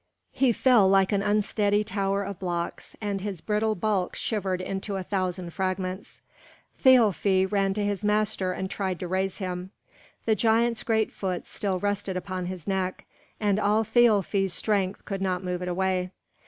He fell like an unsteady tower of blocks, and his brittle bulk shivered into a thousand fragments. Thialfi ran to his master and tried to raise him. The giant's great foot still rested upon his neck, and all Thialfi's strength could not move it away.